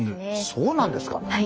そうなんですかね？